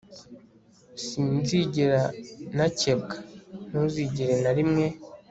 sinzigera nakebwa. ntuzigere na rimwe